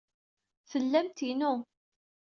Tellamt inu.